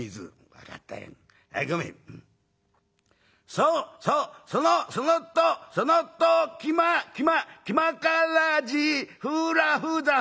「そそそのそのとそのときまきまきまからじふらふざふはふうん？